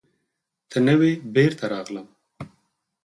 ته نه وې، بېرته راغلم.